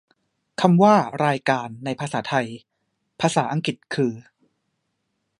คำว่า "รายการ" ในภาษาไทย ภาษาอังกฤษคือ